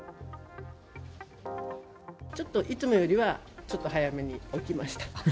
ちょっと、いつもよりはちょっと早めに起きました。